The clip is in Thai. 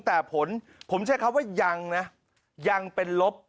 แต่ผลผมใช้คำว่ายังนะยังเป็นลบ